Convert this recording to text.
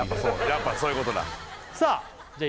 やっぱそういうことださあじゃあ